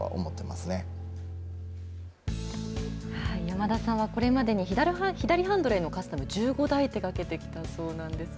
山田さんはこれまでに、左ハンドルへのカスタム、１５台手がけてきたそうなんです。